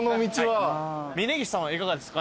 峯岸さんはいかがですか？